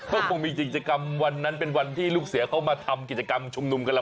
ก็คงมีกิจกรรมวันนั้นเป็นวันที่ลูกเสือเขามาทำกิจกรรมชุมนุมกันแล้ว